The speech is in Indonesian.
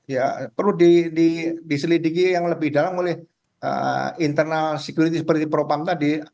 ya perlu diselidiki yang lebih dalam oleh internal security seperti propam tadi